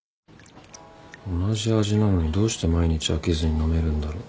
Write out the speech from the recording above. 同じ味なのにどうして毎日飽きずに飲めるんだろう。